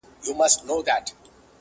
څوک و یوه او څوک و بل ته ورځي,